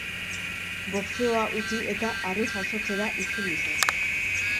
Boxeoa utzi eta harri-jasotzera itzuli zen.